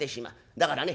だからね